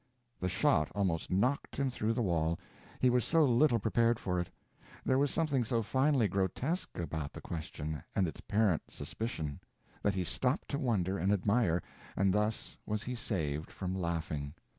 _" The shot almost knocked him through the wall, he was so little prepared for it. There was something so finely grotesque about the question and its parent suspicion, that he stopped to wonder and admire, and thus was he saved from laughing.